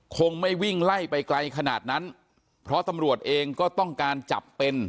คงไม่วิ่งไล่ไปไกลขนาดนั้นเพราะตำรวจเองก็ต้องการจับเป็น